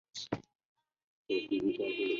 本桐站日高本线上的站。